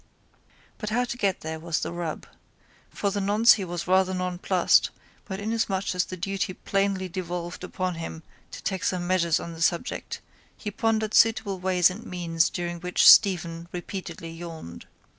But how to get there was the rub. For the nonce he was rather nonplussed but inasmuch as the duty plainly devolved upon him to take some measures on the subject he pondered suitable ways and means during which Stephen repeatedly yawned.